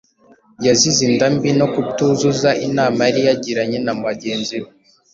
yazize inda mbi no kutuzuza inama yari yagiranye na bagenzi be.